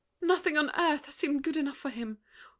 ] Nothing on earth seemed good enough for him!